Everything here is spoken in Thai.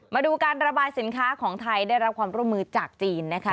มาดูการระบายสินค้าของไทยได้รับความร่วมมือจากจีนนะคะ